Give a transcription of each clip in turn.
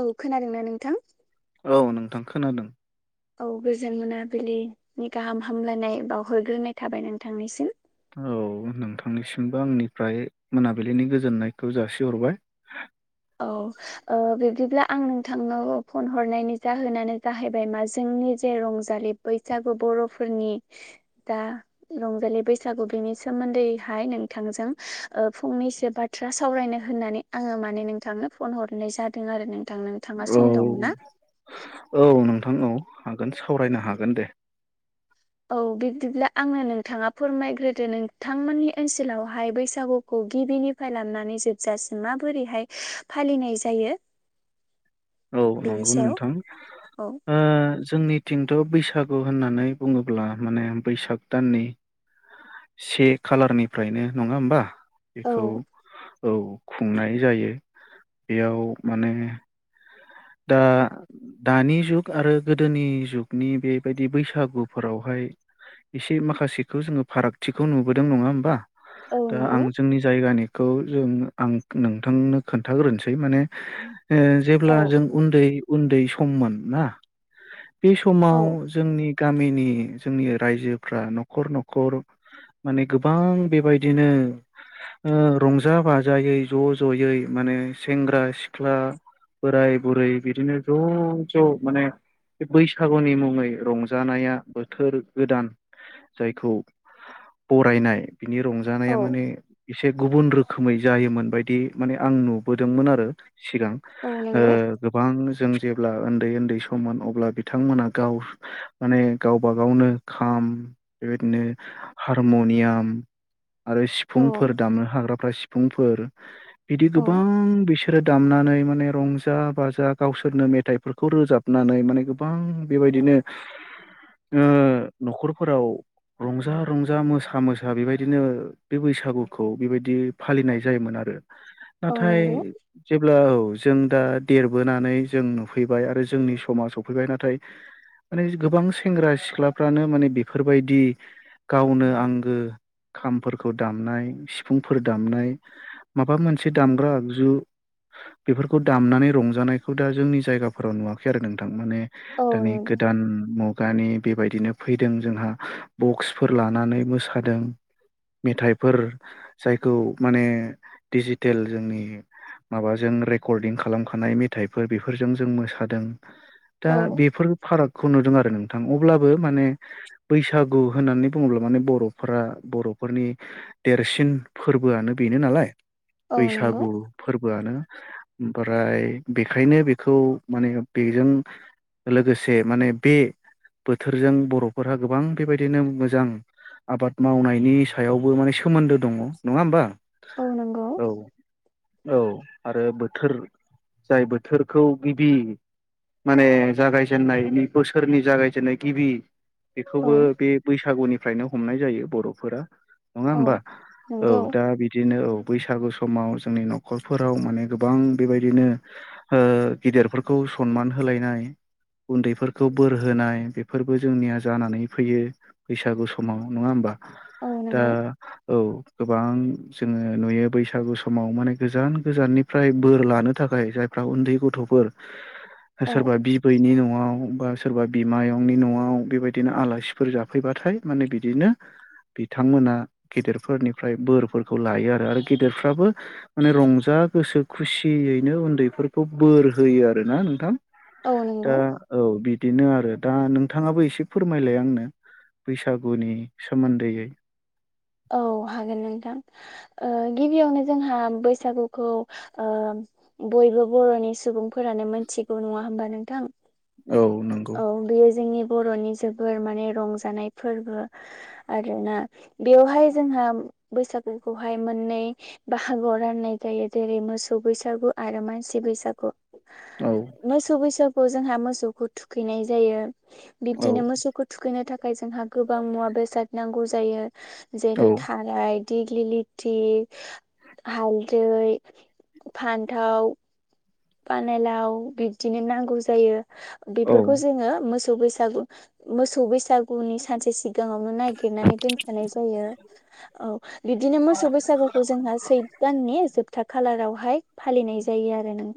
औ खोनादोंना नोंथां औ नोंथां खोनादों औ गोजोन मोनाबिलिनि गाहाम हामलायनाय बावहरग्रोनाय थाबाय नोंथांनिसिम औ नोंथांनिसिमबो आंनिफ्राय मोनाबिलिनि गोजोननायखौ जासिहरबाय [inaudible] औ ओ बिब्दिब्ला आं नोंथांनाव फन हरनायनि जाहोनानो जाहैबाय मा जों नि जे रंजालि बैसागु बरफोरनि दा रंजालि बैसागु बेनि सोमोन्दैहाय नोंथांजों ओ फंनैसो बाथ्रा सावरायनो होननानै आंङो माने नोंथांनो फन हरनाय जादों आरो नोंथां नोंथांङा औ सम दं ना आं औ हागोन सावरायनो हागोन दे औ बिब्दिब्ला आंनो नोंथांङा फोरमायग्रोदो नोंथांमोननि ओनसोलावहाय बैसागुखौ गिबिनिफ्राय लाबनानै जोबजासिम माबोरैहाय फालिनाय जायो औ बेनि नंगौ सायाव नोंथां औ ओ जोंनिथिंथ बैसागु होननानै बुङोब्ला माने बैसाग दाननि से खालारनिफ्रायनो नङा होमबा औ बेखौ औ खुंनाय जायो बेयाव माने दा दानि जुग आरो गोदोनि जुगनि बेबायदि बैसागुफोरावहाय एसे माखासेखौ जोङो फारागथिखौ नुबोदों नङा होमबा। औ दा आं नंगौ जोंनि जायगानिखौ जों आं नोंथांनो खोन्थ खोनथाग्रोनोसै माने ओ औ जेब्ला जों दै उन्दै सममोन ना बे औ समाव जोंनि गामिनि जोंनि रायजोफ्रा न'खर न'खर माने गोबां बेबायदिनो ओ रंजा बाजायै ज' ज'यै माने सेंग्रा सिख्ला बोराय बुरै बिदिनो ज' ज' माने बे बैसागुनि मुङै रंजानाया बोथोर गोदान जायखौ बरायनाय बिनि औ रंजानाया माने एसे गुबुन रोख रोखोमै जायोमोन बायदि माने आं नुबोदोंमोन आरो सिगां। औ ओ नंगौ गोबां जों जेब्ला ओन्दै ओन्दै सममोन अब्ला बिथांमोना गाव माने गावब गावनो खाम बेबायदिनो हारमुनियाम आरो सिफुंफोर औ दामनो हाग्राफ्रा सिफुंफोर बिदि औ गोबां बिसोरो दामना नैय माने रंजा बाज जा गावसोरनो मेथाइफोरखौ रोजाबनानै माने गोबां बेबायदिनो। ओ न'खरफोराव रंजा रंजा मोसा मोसा बेबायदिनो बे बैसागुखौ बेबायदि फालिनाय जायोमोन आरो। औ नाथाय नंगौ जेब्ला औ जों दा देर बोनानै जों नुफैबाय आरो जोंनि समाज सफैबाय नाथाय माने गोबां सेंग्रा सिख्लाफ्रानो माने बेफोरबायदि गावनो आंगो खामफोरखौ दामनाय सिफुंफोर दामनाय माबा मोनसे दामग्रा आगजु बेफोरखौ दामनानै रङ जानायखौ दा जोंनि जायगाफोराव नुवाखै आरो नोंथां। माने औ दानि नंगौ गोदान मुग गानि बेबायदिनो फैदों जोंहा बक्सफोर लानानै मोसादों मेथाइफोर जायखौ माने डिजिटेल जोंनि माबाजों रेकर्डिं खालामखानाय मे थाइफोर बेफोरजों जों मोसादों दा औ बेफोर फारागखौ नुदों आर [inaudible] नोंथां अब्लाबो माने बैसागु होननानै बुङोब्ला माने बर'फोरा बर'फोरनि देरसिन फोरबोआनो बेनो नालाय औ नंगौ बैसागु फोरबोआनो ओमफ्राय बेखायनो बेखौ माने बेजों लोगोसे माने बे बोथोरजों बर'फोरा गोबां बेबायदिनो मोजां आबाद मावनायनि सायावबो माने सोमोन्दो दङ नङा होमबा। औ नंगौ। औ औ आरो बोथोर जाय बोथोरखौ गिबि। माने जागायजेननाय बोसोरनि जागायजेननाय गिबि। औ बेखौबो बे बैसागुनिफ्रायनो हमनाय जायो बर'फोरा। नङा औ होमबा औ नंगौ दा बिदिनो औ। बैसागु समाव जोंनि न'खरफोराव माने गोबां बेबायदिनो ओ गिदिरफोरखौ सनमान होलायनाय। उन्दैफोरखौ बोर होनाय बेफोरबो जोंनिया जानानै फैयो बैसागु समाव नङा होमबा। औ दा नंगौ औ। गोबां जोङो नुयो बैसागु समाव माने गोजान गोजाननिफ्राय बोर लानो थाखा खाय जायफ्रा उन्दै गथ'फोर औ सोरबा बिबैनि न'आव बा। सोरबा बिमायंनि न'आव बेबायदिनो आलासिफोर जाफैबाथाय माने बिदिनो बिथांमोना गेदेरफोरनिफ्राय बोरफोरखौ लायो आरो। आरो गेदेरफ्राबो माने रंजा मा गोसो खुसियै नो उन्दैफोरखौ बोर होयो आरोना नोंथां औ नंगौ दा औ बिदिनो आ रो दा नोंथाङाबो एसे फोरमायलाय आंनो बैसागुनि सोमोन्दैयै। औ हागोन नोंथां ओ गिबियावनो जोंहा बैसागुखौ ओम बयबो बर'नि सुबुंफोरानो मोनथिगौ नङा होमबा नोंथां। औ नंगौ औ बेयो जोंनि बर'नि जोबोर माने रंजानाय फोरबो आरोना बेवहाय जोंहा बैसागुखौहाय मोननै बाहागोआव राननाय जायो जेरै मोसौ बैसागु आरो मानसि सि बैसागु औ मोसौ बैसागु जोंहा मोसौखौ थुखैनाय जायो। औ बिदिनो मोसौखौ थुखैनो थाखाय जोंहा गोबां मुवा बेसाद नांगौ जायो। औ जेरै थाराय दिग्लि लिति हालदै फान्थाव। पानेलाव बिब्दिनो नांगौ जायो। औ बेफोरखौ जोङो मोस सौ बैसागु मोसौ बैसागुनि सानसे सिग गाङावनो नायगिरनानै दोनखानाय जायो औ बिब्दिनो मोसौ बैसागुखौ जोंहा सैथ दाननि जोबथा खालारावहाय फालिनाय जायो आरो नों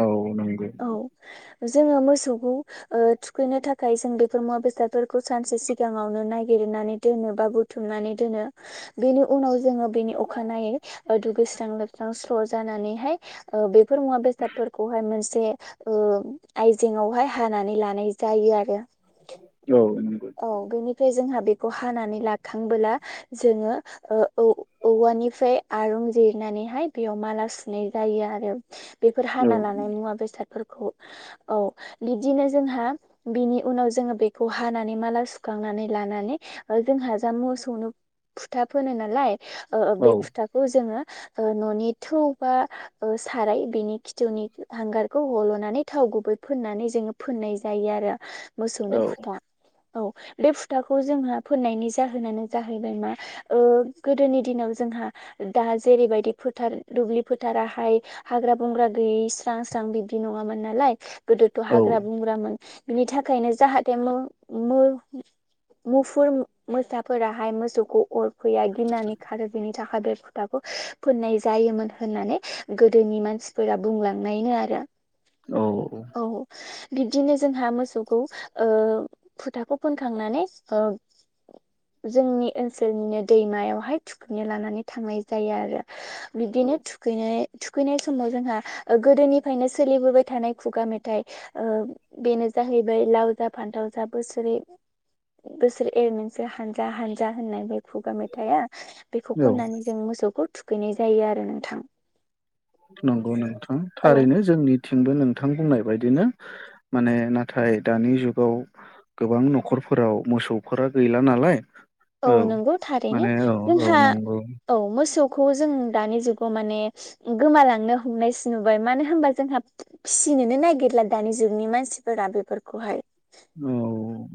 औ नंगौ। जोङो मोसौखौ ओ थुखैनो थाखाय जों बेफोर मुवा बेसादफोरखौ सानसे सिगाङावनो नाय गिरनानै दोनोबा बुथुमनानै दोनो बेनि उनाव जोङो बेनि अखानायै दुगैस्रां लोबस्रां स्र' जानानैहाय ओ बेफोर मुवा बेस सादफोरखौहाय मोनसे उम आयजेंयावहाय हानानै लानाय जायो आरो। औ नंगौ औ बेनिफ्राय जोंहा बे खौ हानानै लाखांबोला जोङो ओ औव औवानिफ्राय आरुं जिरनानै बेहाय बेयाव माला सुनाय जायो आरो बेफोर औ हाना लानाय मुवा बेसाद फोरखौ औ बिदिनो जोंहा बिनि उनाव जोङो बेखौ हानानै माला सुखा खांनानै लानानै ओ जोंहा जा मोसौनो फुथा फोनो नालाय। ओ ओ बे औ फुथाखौ जोङो ओ न'नि थौ बा ओ साराय बेनि खिथौनि हांगारखौ हल'नानै थाव गुबै फोननानै जोङो फोननाय जायो आरो। मोसौनो औ फुथा। औ बे फुथाखौ जोंहा फोननायनि जाहोनानो जाहैबाय मा ओ गोदोनि दिनाव जों हा दा जेरैबायदि फोथार दुब्लि फोथाराहाय हाग्रा बुंंग्रा गैयै स्रां स्रां बिब्दि नङामोन नालाय गोदोथ' औ हाग्रा बंग्रामोन बिनि थाखायनो जाहाथे मोम-मोम मुफुर मोसाफोराहाय मोसौखौ अरफैया गिनानै खारो बिनि थाखाय बे फुथाखौ फोननाय जायोमोन होननानै गोदोनि मानसि फोरा बुंलांनायनो आरो औ औ बिब्दिनो जोंहा मोसौखौ ओ फुथाखौ फोनखांनानै ओ जोंनि ओनसोलनिनो दैमायावहाय थुखैनो लानानै थांनाय जायो आरो बिब्दिनो थुखैनाय थुखैनाय समाव जोंहा ओ गोदोनिफायनो सोलिबोबाय थानाय खुगा मेथाइ ओ बेनो जाहैबाय लाव जा फान्थाव जा बोसोरि बोसोरि एर हानजा हानजा होननाय बाय खुगा मेथाइया बेखौ खननानै जों मोसौखौ थुखैनाय जायो आरो नोंथां नंगौ नोंथां औ थारैनो जोंनि थिंबो नोंथां बुंनाय बायदिनो माने नाथाय दानि जुगाव गोबां न'खरफोराव मोसौफोरा गैला नालाय औ नंगौ थारैनो माने औ औ जोंहा नंगौ औ मोसौ खौ जों दानि जुगाव माने गोमालांनो हमनायसो नुबाय मानो होमबा जोंहा फिसि निनो नायगिरला दानि जुगनि मानसिफोरा बेफोरखौहाय औ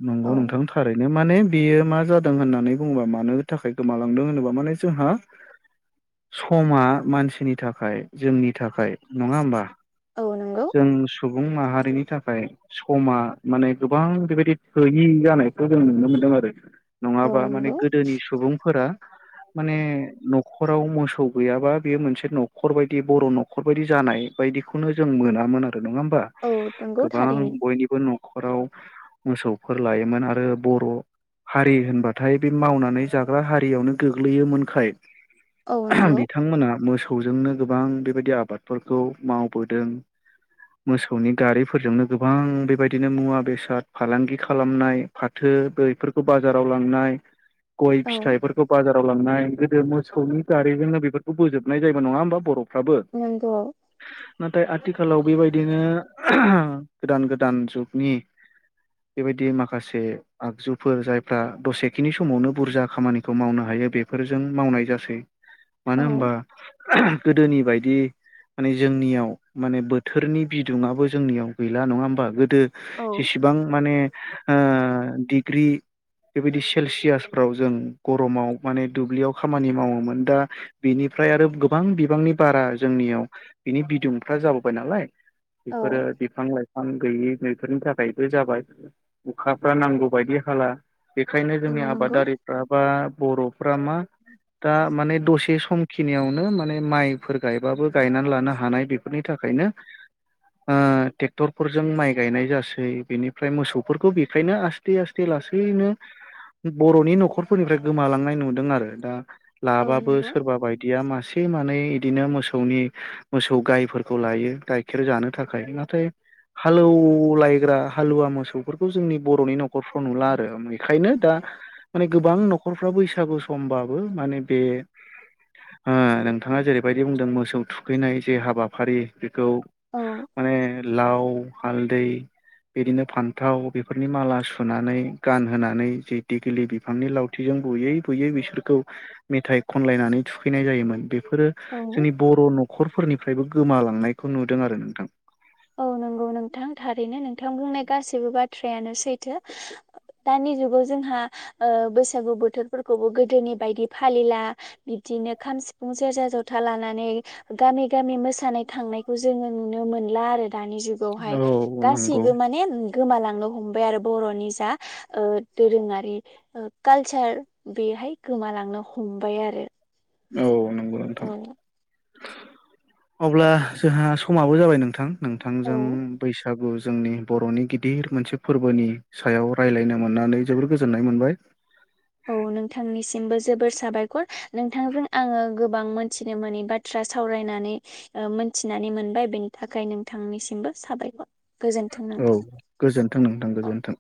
नंगौ औ नोंथां थारैनो माने बियो मा जादों होननानै बुंङोबा मानो थाखाय गोमालांदों होनोबा माने जोंहा समा मानसिनि थाखाय जोंनि थाखाय नंङा होमबा औ नंगौ जों सु सुबुं माहारिनि थाखाय समा माने गोबां बेबायदि थोयि जानायखौ जों नुनो मोन आरो औ नंङाबा माने नंगौ गोदोनि सुबुंफोरा [inaudible] माने न'खराव मोसौ गैयाबा बियो मोनसे न'खर बायदि बर' न'खर बायदि जानाय बायदिखौनो ज जों मोनामोन आरो नंङा होमबा औ नंगौ गोबां थारैनो बयनिबो न' नख'राव मोसौफोर लायोमोन आरो बर' हारि होनबाथाय बे मावनानै जाग्रा हारियावनो गोग्लैयोमोनखाय औ नंगौ बिथांमोना मोसौजोंनो गोबां बेबायदि आबादफोरखौ मावबोद दों मोसौनि गारिफोरजोंनो गोबां बेबायदिनो मुवा बेसाद फालांगि खालामनाय फाथो थो बैफोरखौ बाजाराव लांनाय गय औ फिथाइफोरखौ बाजार व लांनाय गोदो मोसौनि गारिजोंनो बेफोरखौ बोजोबनाय जायोमोन नंङा होमबा बर' हाबो नंगौ नाथाय आथिखालाव बेबायदिनो गोदान गोदान जुगनि बेबायदि माखासे आगजुफोर जायफ्रा दसेखिनि समावनो बुरजा खामानिखौ मावनो हा हायो बेफोरजों मावनाय जासै मानो औ होनबा गोदोनि बायदि माने जोंनियाव माने बोथोरनि बिदुुंआबो जोंनियाव गैला नंङा होमबा गोदो औ जेसेबां माने ओ डिग्रि बेबायदि सेलसियासफ्राव जों गरमाव माने दुब्लियाव खामानि मावोमोन दा बिनि फ्राय आरो गोबां बिबांनि बारा जोंनियाव बिनि बिदुं फ्रा जाबोबाय नालाय औ बेफोरो बिफां लाइफां गैयि बेफोरनि थाखायबो जाबाय अखाफ्रा नांगौ बायदि हाला बेखायनो जोंनि औ नंगौ आबादारिफ्रा बा बर'फ्रा मा दा माने दसे सम खिनियावनो माने माइफोर गायबाबो गायनानै लानो हानाय बेफोरनि थाखायनो ओ ट्रेक्टरफोरजों माइ गायनाय जासै बिनिफ्राय मोसौफोरखौ बेखायनो आस्थे आस्थे गासैनो बर'नि न'खरफोरनिफ्राय गोमालांनाय नुदों आरो दा औ लाबाबो नंगौ सोरबा बायदिया मासे मानै इदिनो मोसौनि मोसौ गायफोर खौ लायो गाइखेर जानो थाखाय नाथाय हालौ लायग्रा हालुवा मोसौफोरखौ जोंनि बर'नि न'खरफ्राव नुला आरो मेखायनो दा माने गोबां न'खरफ्रा बैसागु समबाबो माने बे ओ नोंथांङा जेरैबायदि बुंदों मोसौ थुखैनाय जे हाबा फारि बेखौ औ माने लाव हालदै बिदिनो फान्थाव बेफोरनि माला सुनानै गानहोनानै जे दिग्लि बिफांनि लावथिजों बुुयै बुुयै बिसोरखौ मेथाय खनलायनानै थुखैनाय जायोमोन बे बेफोरो औ जोंनि बर' न'खरफोरनिफ्रायबो गोमालांनायखौ नुदों आरो नोंथां औ नोंगौ नोंथां थारैनो नोंथां बुंनाय गासैबो बाथ्रायानो सैथो दानि जुगाव जोंहा ओ बैसागु बोथोरफोरखौबो गोदोनि बायदि फालिला बिदि बिदिनो खाम, सिफुं, सेरजा, जथा लानानै गामि- गामि मोसानाय थांनायखौ जोंङो नुनो मोनला आरो दानि जुगावहाय औ नंगौ गासैबो माने गोमालांनो हमबाय आरो बर'नि जा ओ दोरोंङारि ओ कालचार बे फाय गोमालांनो हमबाय आरो औ नंगौ नोंथां औ [inaudible] अब्ला जोंहा समाबो जाबाय नोंथां नोंथांजों औ बैसागु जोंनि बर'नि गिदि गिदिर मोनसे फोरबोनि सायाव रायलायनो मोननानै जोबोर गोजोननाय मोनबाय औ नोंथांनिसिम हिमबो जोबोर साबायखर नोंथांजों आङो गोबां मोनथिनो मोननि बाथ्रा सावरायनानै ओ मोनथिनानै मोनबाय बेनि थाखाय नोंथांनिसिमबो साबायखर गोजोन्थों औ नोंथां गोजोनथों नोंथां औ गोजोनथों